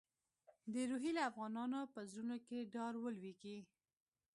د روهیله افغانانو په زړونو کې ډار ولوېږي.